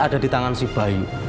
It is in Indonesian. ada di tangan si bayi